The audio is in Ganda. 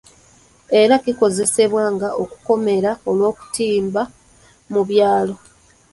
Era kikozesebwa nga olukomera lw'okutimba mu byalo.